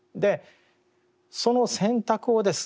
その選択をですね